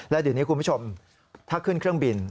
แล้วเดี๋ยวนี้คุณผู้ชมถ้าขึ้นเครื่องบิน